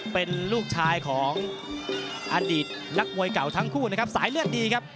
เป็นลูกชายของอดีตนักมวยเก่าทั้งคู่นะครับสายเลือดดีครับ